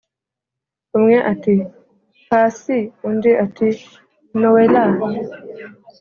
umwe ati"pasiiiiii.."undi ati"nowelaaaa!!"